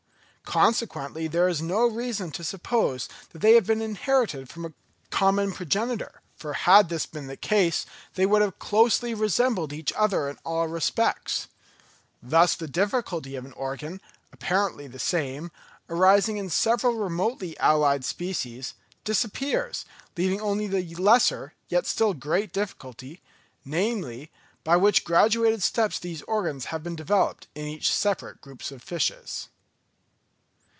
Consequently there is no reason to suppose that they have been inherited from a common progenitor; for had this been the case they would have closely resembled each other in all respects. Thus the difficulty of an organ, apparently the same, arising in several remotely allied species, disappears, leaving only the lesser yet still great difficulty: namely, by what graduated steps these organs have been developed in each separate group of fishes.